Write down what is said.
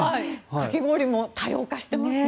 かき氷も多様化していますね。